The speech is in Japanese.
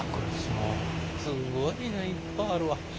すごいねいっぱいあるわ。